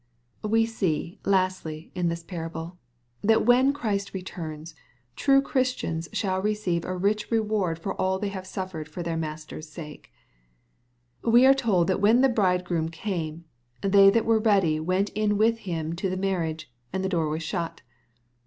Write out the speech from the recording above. We see, lastly^ in this parable, thcU when Christ returns, true Christians shall receive a rich retoard/or aUthey have steered for their Master's scJce. We are told that when the bridegroom came, '^ they that were ready went in with Him to the marriage : and the door was shut.''